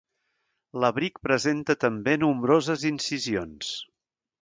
L'abric presenta també nombroses incisions.